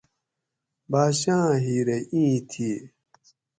باچاۤں ھیرہ ایں تھی